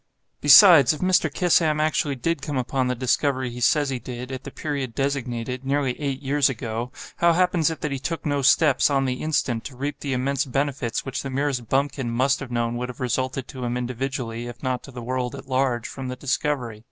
Besides, if Mr. Kissam actually did come upon the discovery he says he did, at the period designated—nearly eight years ago—how happens it that he took no steps, on the instant, to reap the immense benefits which the merest bumpkin must have known would have resulted to him individually, if not to the world at large, from the discovery?